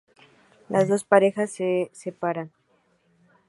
Las dos parejas se separan.